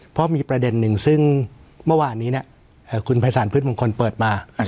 เพราะมีประเด็นหนึ่งซึ่งเมื่อวานนี้คุณภัยศาลพืชมงคลเปิดมา